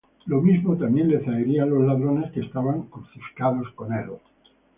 Lo mismo también le zaherían los ladrones que estaban crucificados con él.